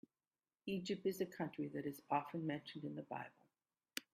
Egypt is a country that is often mentioned in the Bible.